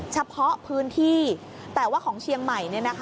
เฉพาะพื้นที่แต่ว่าของเชียงใหม่